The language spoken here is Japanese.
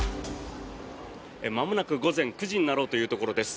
まもなく午前９時になろうというところです。